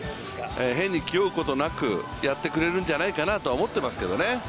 変に気負うことなくやってくれるんじゃないかなと思ってますけどね。